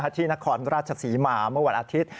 ที่นครราชศรีมาเมื่อวันอาทิตย์